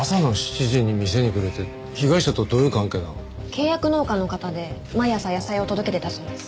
契約農家の方で毎朝野菜を届けてたそうです。